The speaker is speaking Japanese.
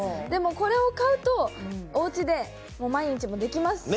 これを買うとおうちでも毎日できますし。